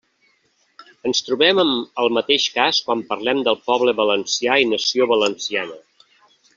Ens trobem amb el mateix cas quan parlem de poble valencià i nació valenciana.